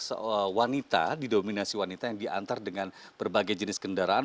seorang wanita didominasi wanita yang diantar dengan berbagai jenis kendaraan